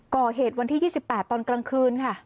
ก่อเหตุวันที่๒๘ตอนกลางคืนค่ะ